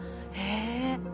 へえ。